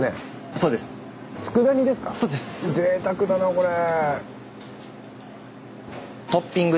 ぜいたくだなこれ。